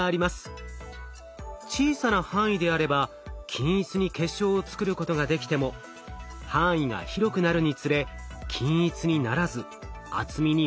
小さな範囲であれば均一に結晶を作ることができても範囲が広くなるにつれ均一にならず厚みにばらつきが出てきます。